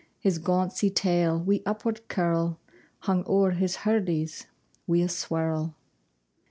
His gawcie tail, wi' upward curl, Hung ower his hurdies wi' a swurl.